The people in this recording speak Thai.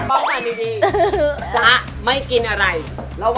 อากาศนี้สาว